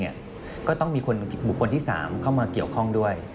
ก็ต้องมีบุคคลที่๓เข้ามาเกี่ยวข้องด้วย